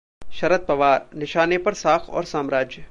शरद पवार: निशाने पर साख और साम्राज्य